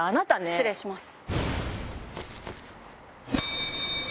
失礼します。